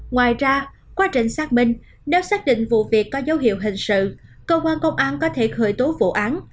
ngoài ra quá trình xác minh nếu xác định vụ việc có dấu hiệu hình sự cơ quan công an có thể khởi tố vụ án